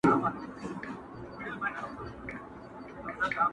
o دغزل جامونه وېسي ,